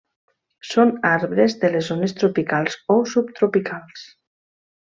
Són arbres de les zones tropicals o subtropicals.